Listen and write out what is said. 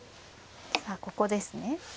さあここですね。